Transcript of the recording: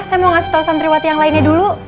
saya mau ngasih tau santriwati yang lainnya dulu